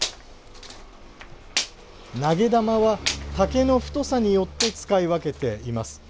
投げ玉は竹の太さによって使い分けています。